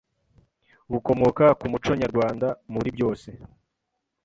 bukomoka ku muco nyarwanda. “muri byose